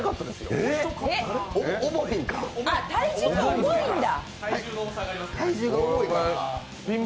あっ、体重が重いんだ！